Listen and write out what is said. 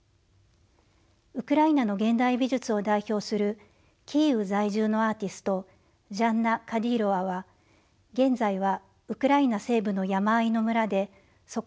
ウクライナの現代美術を代表するキーウ在住のアーティストジャンナ・カディロワは現在はウクライナ西部の山あいの村で疎開生活を送っています。